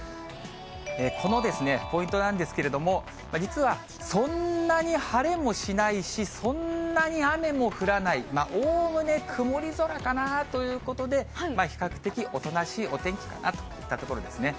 このポイントなんですけれども、実はそんなに晴れもしないし、そんなに雨も降らない、おおむね曇り空かなということで、比較的おとなしいお天気かなといったところですね。